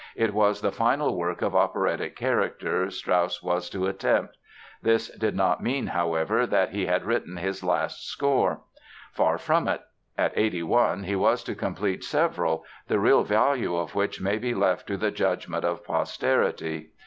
It was the final work of operatic character Strauss was to attempt. This did not mean, however, that he had written his last score. Far from it! At 81 he was to complete several, the real value of which may be left to the judgment of posterity.